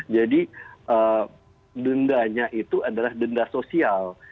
jadi dendanya itu adalah denda sosial